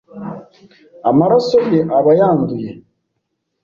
amaraso ye aba yanduye